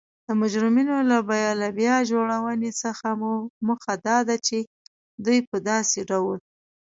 د مجرمینو له بیا جوړونې څخه موخه دا ده چی دوی په داسې ډول